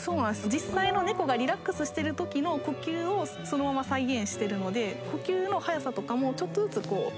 実際の猫がリラックスしてる時の呼吸をそのまま再現してるので呼吸の速さとかもちょっとずつランダムにしているというか。